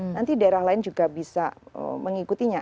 nanti daerah lain juga bisa mengikutinya